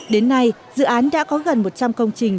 đến nay dự án đã có gần một trăm linh công trình